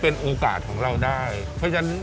เป็นโอกาสของเราได้เพราะฉะนั้น